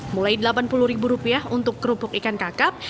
mulai rp delapan puluh untuk kerupuk ikan kakap